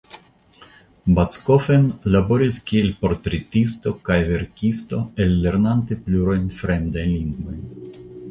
Backofen laboris kiel portretisto kaj verkisto ellernante plurajn fremdajn lingvojn.